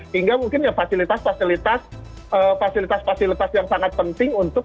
hingga mungkin ya fasilitas fasilitas yang sangat penting untuk